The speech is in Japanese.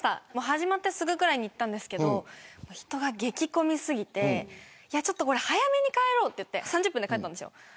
始まってすぐぐらいに行ったんですけど人が激混みすぎて早めに帰ろうって３０分で帰ったんです。